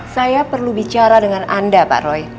saya perlu bicara dengan anda pak roy